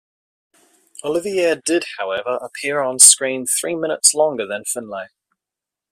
Olivier did, however, appear on screen three minutes longer than Finlay.